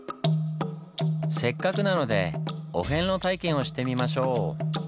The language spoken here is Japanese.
せっかくなのでお遍路体験をしてみましょう。